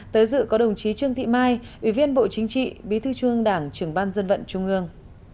tới dự có đồng chí trương thị mai ủy viên bộ chính trị bí thư trung ương đảng trưởng ban dân vận trung ương